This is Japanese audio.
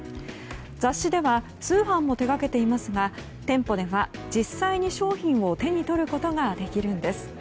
雑誌では通販も手掛けていますが店舗では、実際に商品を手に取ることができるんです。